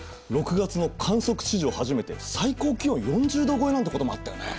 ６月の観測史上初めて最高気温４０℃超えなんてこともあったよね。